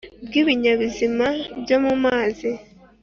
bw ibinyabuzima byo mu mazi